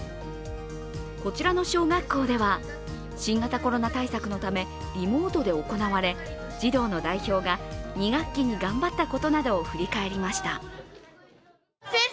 こちらの小学校では、新型コロナ対策のため、リモートで行われ、児童の代表が２学期に頑張ったことなどを振り返りました。